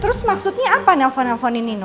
terus maksudnya apa nelfon nelfonin nino